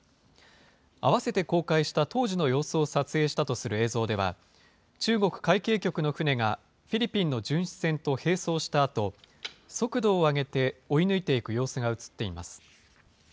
あわせて公開した当時の様子を撮影したとする映像では、中国海警局の船が、フィリピンの巡視船と併走したあと、速度を上げて追い抜いていく様子が映っています。